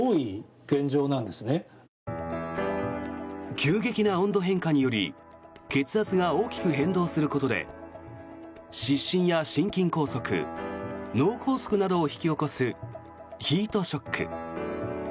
急激な温度変化により血圧が大きく変動することで失神や心筋梗塞脳梗塞などを引き起こすヒートショック。